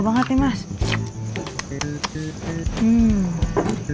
tunggu banget nih mas